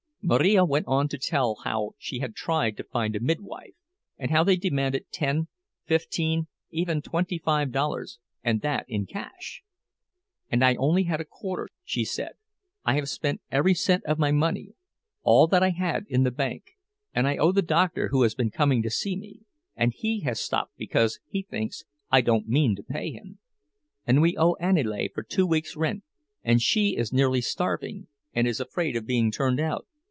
Marija went on to tell how she had tried to find a midwife, and how they had demanded ten, fifteen, even twenty five dollars, and that in cash. "And I had only a quarter," she said. "I have spent every cent of my money—all that I had in the bank; and I owe the doctor who has been coming to see me, and he has stopped because he thinks I don't mean to pay him. And we owe Aniele for two weeks' rent, and she is nearly starving, and is afraid of being turned out.